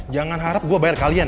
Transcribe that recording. jangan harap gue bayar kalian